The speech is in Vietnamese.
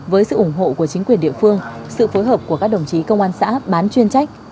với sự ủng hộ của chính quyền địa phương sự phối hợp của các đồng chí công an xã bán chuyên trách